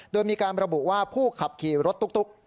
โดยมีการระบุว่าผู้ขับขี่รถตุ๊ก